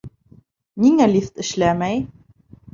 Ниңә лифт эшләмәй?